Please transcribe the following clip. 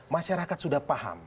masyarakat sudah paham